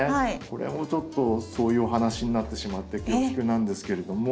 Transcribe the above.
これもちょっとそういうお話になってしまって恐縮なんですけれども。